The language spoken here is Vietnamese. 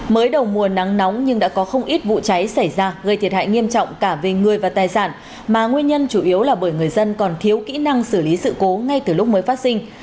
mới đầu mùa nắng nóng nhưng đã có không ít vụ cháy xảy ra gây thiệt hại nghiêm trọng cả về người và tài sản mà nguyên nhân chủ yếu là bởi người dân còn thiếu kỹ năng xử lý sự cố ngay từ lúc mới phát sinh